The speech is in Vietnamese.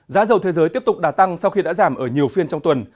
giá dầu thế giới tiếp tục đà tăng sau khi đã giảm ở nhiều phiên trong tuần